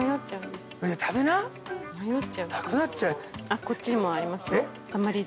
あっこっちにもありますよ。